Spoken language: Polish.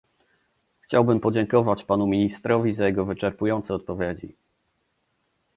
Chciałbym podziękować panu ministrowi za jego wyczerpujące odpowiedzi